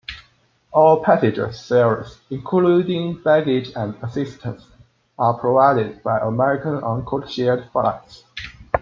All passenger services, including baggage and assistance, are provided by American on codeshared flights.